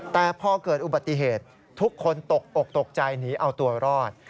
แต่พอเกิดอุบัติเหตุทุกคนตกอกตกใจหนีเอาตัวรอด